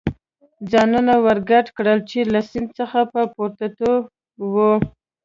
ځانونه ور ګډ کړل، چې له سیند څخه په پورېوتو و.